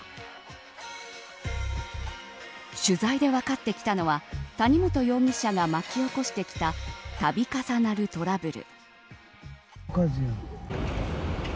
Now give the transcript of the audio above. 取材で分かってきたのは谷本容疑者が巻き起こしてきた度重なるトラブル。